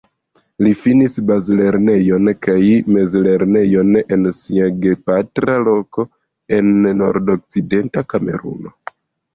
Li finis bazlernejon kaj mezlernejon en sia gepatra loko en Nordokcidenta Kameruno.